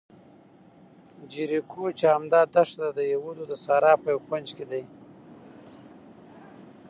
جیریکو چې همدا دښته ده، د یهودو د صحرا په یوه کونج کې دی.